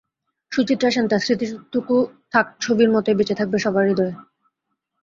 সুচিত্রা সেন তাঁর স্মৃতিটুকু থাক ছবির মতোই বেঁচে থাকবে সবার হূদয়ে।